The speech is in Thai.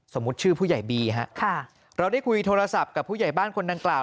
ชื่อผู้ใหญ่บีฮะค่ะเราได้คุยโทรศัพท์กับผู้ใหญ่บ้านคนดังกล่าว